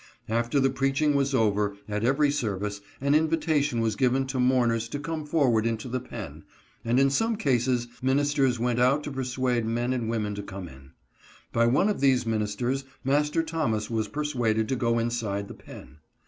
After the preaching was over, at every service, an invita tion was given to mourners to come forward into the pen; and in some cases, ministers went out to persuade men and women to come in. By one of these ministers Master Thomas was persuaded to go inside the pen.